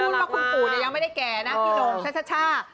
พูดว่าคุณปู่ยังไม่ได้แก่นะพี่โน่งช่า